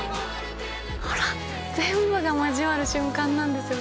ほら全部が交わる瞬間なんですよね